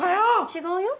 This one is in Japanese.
違うよ